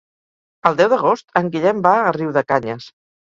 El deu d'agost en Guillem va a Riudecanyes.